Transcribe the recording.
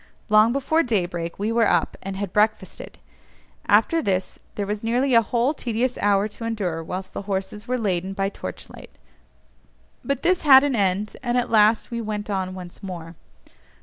Long before daybreak we were up, and had breakfasted; after this there was nearly a whole tedious hour to endure whilst the horses were laden by torch light; but this had an end, and at last we went on once more.